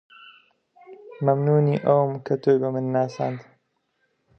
مەمنوونی ئەوم کە تۆی بە من ناساند